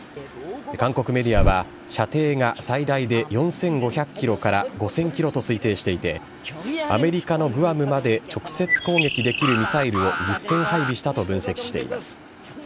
韓国メディアは、射程が最大で４５００キロから５０００キロと推定していて、アメリカのグアムまで直接攻撃できるミサイルを実戦配備したと分析しています。